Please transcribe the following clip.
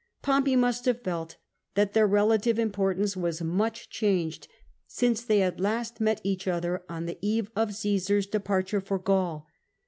Pompey must have felt that their relative importance was much changed since they had last met each other on the eve of Caesar's departure for Gaul.